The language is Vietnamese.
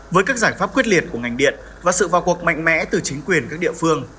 với các giải pháp quyết liệt của ngành điện và sự vào cuộc mạnh mẽ từ chính quyền các địa phương